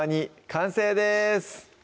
完成です